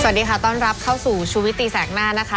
สวัสดีค่ะต้อนรับเข้าสู่ชูวิตตีแสกหน้านะคะ